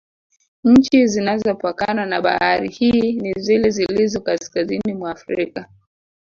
Nchi zinazopakana na bahari hii ni zile zilizo kaskazini Mwa frika